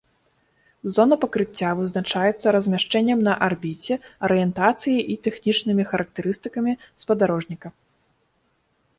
Зона пакрыцця вызначаецца размяшчэннем на арбіце, арыентацыяй і тэхнічнымі характарыстыкамі спадарожніка.